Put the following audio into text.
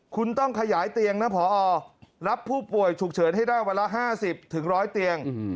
คุณต้องขยายเตียงนะพอรับผู้ป่วยฉุกเฉินให้ได้วันละ๕๐๑๐๐เตียง